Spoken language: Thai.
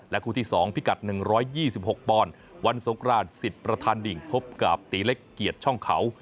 และคู่ที่สองพิกัด๑๒๖ปอนด์วันโศกราช๑๐ประทานิงพบกับตีเล็กเกียจช่องเขา